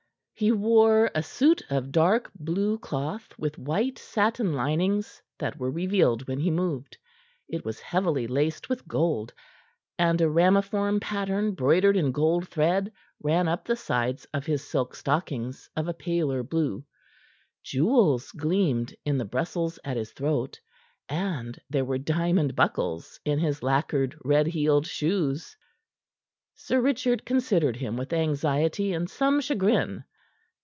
He wore a suit of dark blue cloth, with white satin linings that were revealed when he moved; it was heavily laced with gold, and a ramiform pattern broidered in gold thread ran up the sides of his silk stockings of a paler blue. Jewels gleamed in the Brussels at his throat, and there were diamond buckles on his lacquered, red heeled shoes. Sir Richard considered him with anxiety and some chagrin.